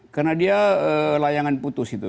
karena dia layangan putus itu